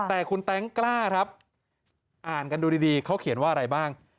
แต่คุณแต๊งกล้าครับอ่านกันดูดีเขาเขียนว่าอะไรบ้าง